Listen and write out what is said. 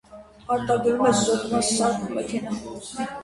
Արտադրում է զոդման սարք ու մեքենա։